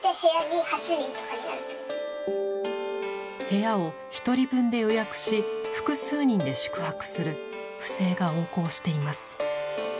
部屋を１人分で予約し複数人で宿泊する不正が横行しています。